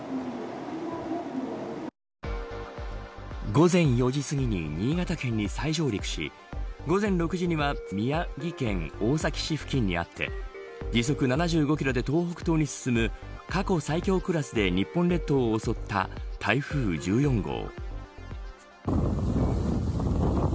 午前４時すぎに新潟県に再上陸し午前６時には宮城県大崎市付近にあって時速７５キロで東北東に進む過去最強クラスで日本列島を襲った台風１４号。